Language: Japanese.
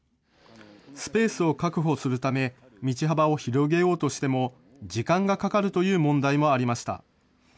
スペースを確保するため、道幅を広げようとしても、時間がかかるという問題もありました。